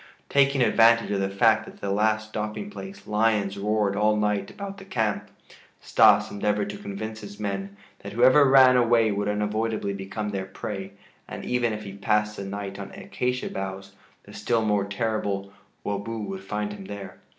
Taking advantage of the fact that at the last stopping place lions roared all night about the camp, Stas endeavored to convince his men that whoever ran away would unavoidably become their prey, and even if he passed the night on acacia boughs the still more terrible "wobo" would find him there.